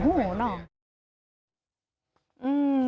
แม่อร่วม